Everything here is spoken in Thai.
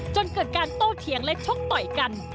จนเกิดการโต้เถียงและชกต่อยกัน